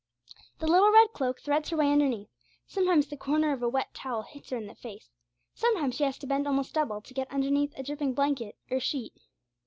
The little red cloak threads her way underneath; sometimes the corner of a wet towel hits her in the face, sometimes she has to bend almost double to get underneath a dripping blanket or sheet.